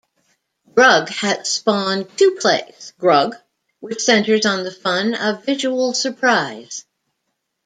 Grug has spawned two plays, "Grug" which "centers on the fun of visual surprise.